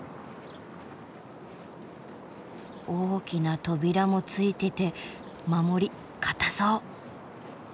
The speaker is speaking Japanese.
大きな扉もついてて守り堅そう。